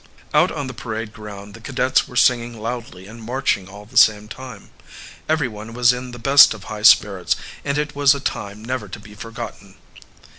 Out on the parade ground the cadets were singing loudly and marching at the same time. Everyone was in the best of high spirits, and it was a time never to be forgotten.